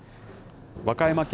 和歌山県